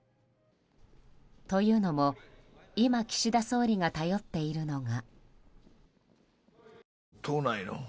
というのも今岸田総理が頼っているのが。